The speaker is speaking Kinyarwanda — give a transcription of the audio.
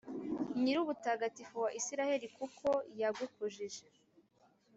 nyir’ubutagatifu wa israheli, kuko yagukujije.